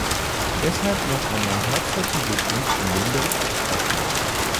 Deshalb noch einmal herzlichen Glückwunsch an den Berichterstatter!